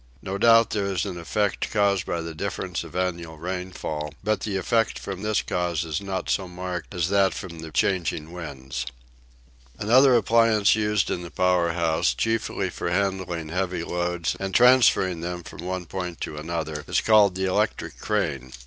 No doubt there is an effect produced by the difference of annual rainfall, but the effect from this cause is not so marked as that from the changing winds. Another appliance used in the power house, chiefly for handling heavy loads and transferring them from one point to another, is called the electric crane.